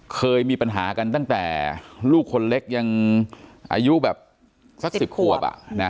เคยมีปัญหากันตั้งแต่ลูกคนเล็กยังอายุแบบสัก๑๐ขวบ